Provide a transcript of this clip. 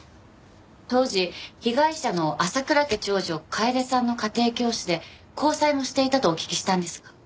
当時被害者の浅倉家長女楓さんの家庭教師で交際もしていたとお聞きしたんですが。